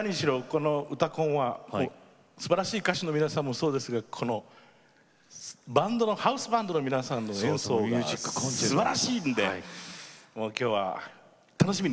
この「うたコン」はもうすばらしい歌手の皆さんもそうですがこのバンドのハウスバンドの皆さんの演奏がすばらしいんでもう今日は楽しみにまいりました。